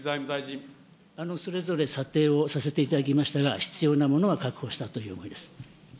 それぞれ査定をさせていただきましたが、必要なものは確保したという思いです。